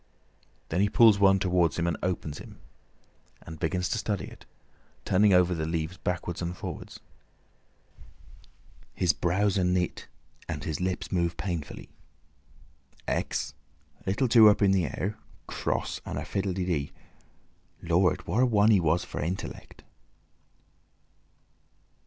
Then he pulls one towards him and opens it, and begins to study it—turning over the leaves backwards and forwards. His brows are knit and his lips move painfully. "Hex, little two up in the air, cross and a fiddle de dee. Lord! what a one he was for intellect!"